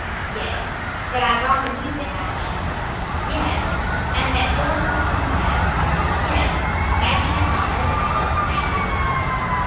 "Yes." "That I brought the music, I mean?" "Yes." "And that Philip is come back?" "Yes." (Maggie did not notice Philip's name this time.)